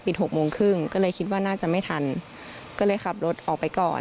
หกโมงครึ่งก็เลยคิดว่าน่าจะไม่ทันก็เลยขับรถออกไปก่อน